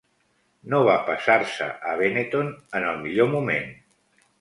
No va passar-se a Benetton en el millor moment.